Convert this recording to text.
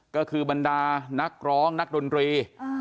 ก็คือบรรดานักร้องนักดนตรี